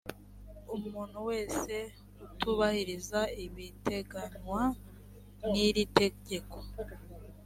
umuntu wese utubahiriza ibiteganywa n’iri tegeko